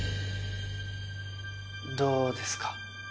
どうですか？